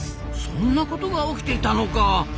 そんなことが起きていたのか！